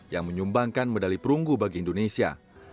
yang menyumbangkan medali perunggu bagi indonesia